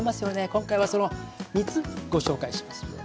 今回はその３つご紹介します。